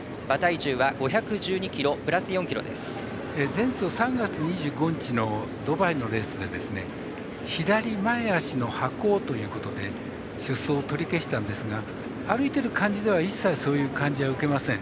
前走３月３５日のドバイのレースで左前脚の跛行ということで出走を取り消したんですが歩いてる感じでは一切そういう感じを受けません